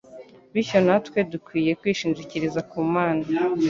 Bityo natwe dukwiye kwishingikiriza ku Mana